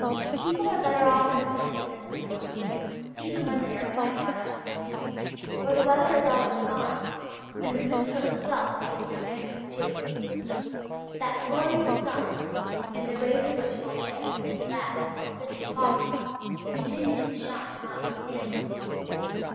People are better off in this place than in the north, even when they are quite hard up. For the weather is always fine, and the Mistral itself makes no difference to it. That glorious sun, in the rays of which Voltaire used to bask while sipping coffee, continues to shine notwithstanding.